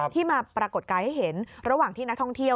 ที่มาปรากฏกายให้เห็นระหว่างที่นักท่องเที่ยว